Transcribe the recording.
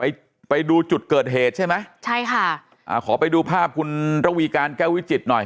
ไปดูจุดเกิดเหตุใช่ไหมใช่ค่ะอ่าขอไปดูภาพคุณระวีการแก้ววิจิตรหน่อย